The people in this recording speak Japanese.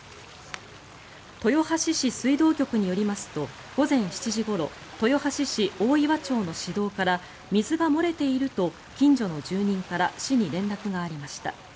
豊橋市水道局によりますと午前７時ごろ豊橋市大岩町の市道から水が漏れていると近所の住人から市に連絡がありました。